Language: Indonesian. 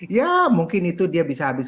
ya mungkin itu dia bisa habis